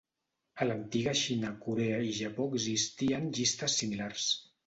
A l'antiga Xina, Corea i Japó existien llistes similars.